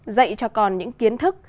dạy cho con những kiến thức